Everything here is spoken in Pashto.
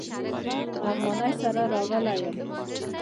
لغمانی سره راغلی یم.